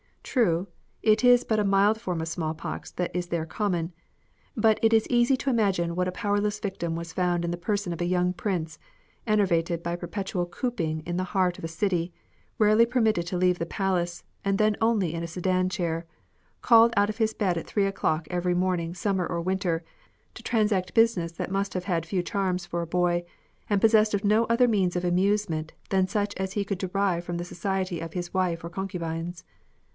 True, it is but a mild form of smallpox that is there common ; but it is easy to imagine what a powerless victim was found in the person of a young prince enervated by perpetual cooping in the heart of a city, rarely permitted to leave the palace, and then only in a sedan chair, called out of his bed at three o'clock every morning summer or winter, to transact business that must have had few charms for a boy, and possessed of no other means of amusement than such as he could derive from the society of his wife or concubines.